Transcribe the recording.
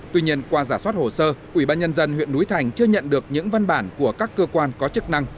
tuy nhiên qua giả soát hồ sơ ubnd huyện núi thành chưa nhận được những văn bản của các cơ quan có chức năng